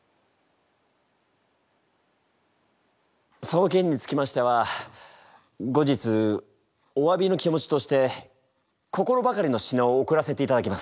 そのけんにつきましては後日おわびの気持ちとして心ばかりの品を贈らせていただきます。